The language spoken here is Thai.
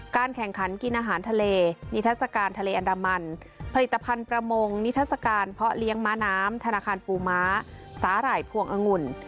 แข่งขันกินอาหารทะเลนิทัศกาลทะเลอันดามันผลิตภัณฑ์ประมงนิทัศกาลเพาะเลี้ยงม้าน้ำธนาคารปูม้าสาหร่ายพวงองุ่น